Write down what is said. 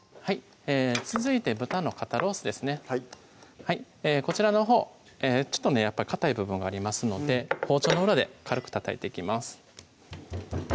続いて豚の肩ロースですねはいこちらのほうやっぱりかたい部分がありますので包丁の裏で軽くたたいていきます